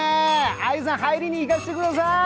あゆさん、入りにいかせてください